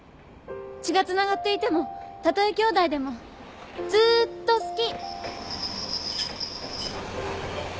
血がつながっていてもたとえ兄妹でもずっと好き！